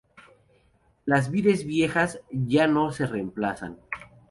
Las vides viejas ya no se reemplazan.